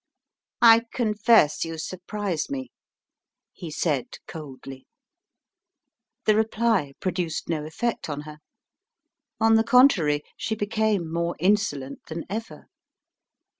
"I confess you surprise me," he said, coldly. The reply produced no effect on her. On the contrary, she became more insolent than ever.